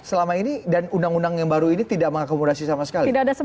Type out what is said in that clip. selama ini dan undang undang yang baru ini tidak mengakomodasi sama sekali